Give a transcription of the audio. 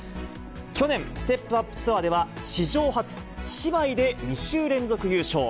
去年、ステップアップツアーでは、史上初、姉妹で２週連続優勝。